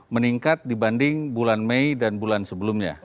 meningkat dibanding bulan mei dan bulan sebelumnya